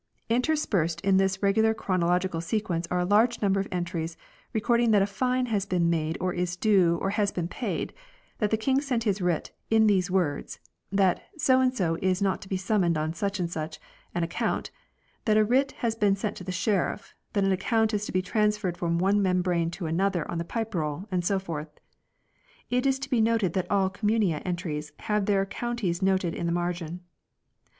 Interspersed in this regular chronological sequence are a large number of entries recording that a fine has been made or is due or has been paid, that the King sent his writ u in these words," that so and so is not to be summoned on such and such an ac count, that a writ has been sent to the sheriff, that an account is to be transferred from one membrane to another on the Pipe Roll, and so forth. It is to be noted that all " Communia " entries have their counties noted in the margin.